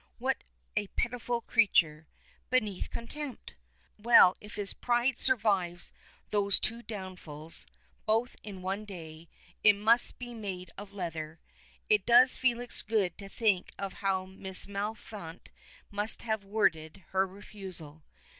What a pitiful creature! Beneath contempt! Well, if his pride survives those two downfalls both in one day it must be made of leather. It does Felix good to think of how Miss Maliphant must have worded her refusal.